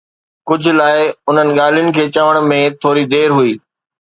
ڪجھ لاءِ، انھن ڳالھين کي چوڻ ۾ ٿوري دير ھئي.